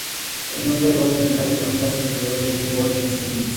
El nombre "GoldenEye" rinde homenaje al creador de James Bond, Ian Fleming.